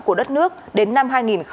của đất nước đến năm hai nghìn hai mươi